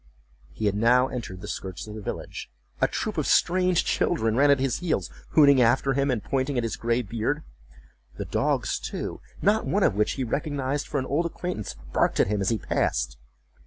He had now entered the skirts of the village. A troop of strange children ran at his heels, hooting after him, and pointing at his gray beard. The dogs, too, not one of which he recognized for an old acquaintance, barked at him as he passed.